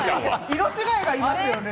色違いがいますよね。